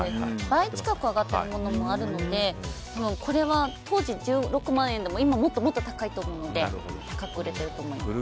倍近く上がっているものもあるのでこれは当時１６万円でも今、もっと高いと思うので高く売れてると思います。